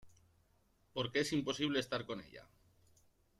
porque es imposible estar con ella.